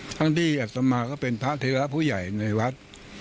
ทั้งที่อัตมาก็เป็นพระเทราผู้ใหญ่ในวัด